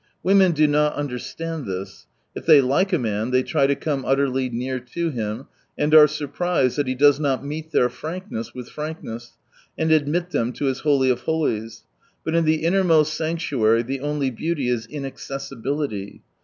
Women do not under stand this. If they like a man, they try to come uttierly near to him, and are sur prised that he does not meet their frankness with frankness, and admit them to his holy of holies. But in the innermost sanctuary the only beauty is inaccessibility.